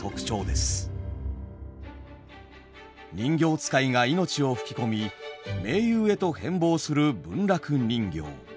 人形遣いが命を吹き込み「名優」へと変貌する文楽人形。